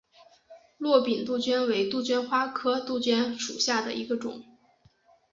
阔柄杜鹃为杜鹃花科杜鹃属下的一个种。